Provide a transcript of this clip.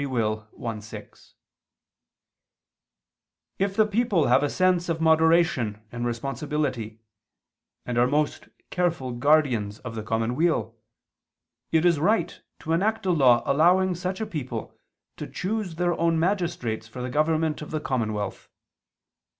i, 6): "If the people have a sense of moderation and responsibility, and are most careful guardians of the common weal, it is right to enact a law allowing such a people to choose their own magistrates for the government of the commonwealth.